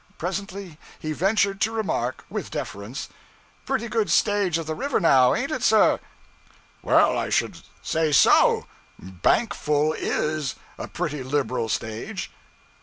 Presently he ventured to remark, with deference 'Pretty good stage of the river now, ain't it, sir?' 'Well, I should say so! Bank full is a pretty liberal stage.'